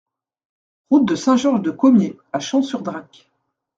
Route de Saint-Georges-de-Commiers à Champ-sur-Drac